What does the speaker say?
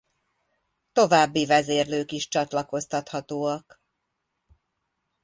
További vezérlők is csatlakoztathatóak.